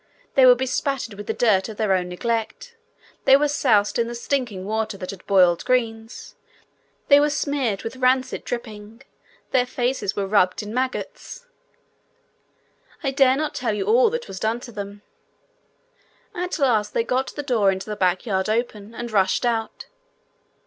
They were bespattered with the dirt of their own neglect; they were soused in the stinking water that had boiled greens; they were smeared with rancid dripping; their faces were rubbed in maggots: I dare not tell all that was done to them. At last they got the door into a back yard open, and rushed out.